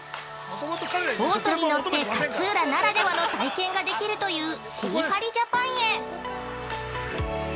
◆ボートに乗って勝浦ならではの体験ができるというシーファリジャパンへ。